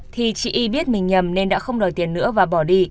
thì chị y biết mình nhầm nên đã không đòi tiền nữa và bỏ đi